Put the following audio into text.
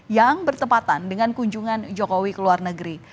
yang bertepatan dengan kunjungan jokowi ke luar negeri